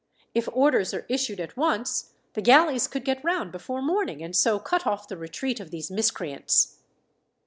If orders are issued at once, the galleys could get round before morning, and so cut off the retreat of these miscreants."